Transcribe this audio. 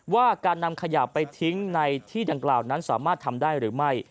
ว่าการนำขยะไปทิ้งในที่ดังกล่าวนั้นสามารถทำได้หรือไม่